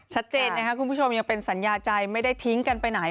ชัดเจนนะครับคุณผู้ชมยังเป็นสัญญาใจไม่ได้ทิ้งกันไปไหน